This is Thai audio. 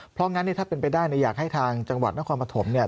เพราะงั้นถ้าเป็นไปได้อยากให้ทางจังหวัดนครปฐมเนี่ย